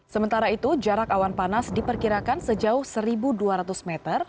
sementara itu jarak awan panas diperkirakan sejauh seribu dua ratus meter